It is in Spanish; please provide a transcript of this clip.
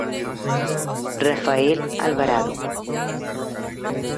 Rafael Alvarado